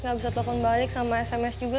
gak bisa telepon balik sama sms juga